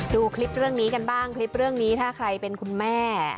ดูคลิปเรื่องนี้กันบ้างคลิปเรื่องนี้ถ้าใครเป็นคุณแม่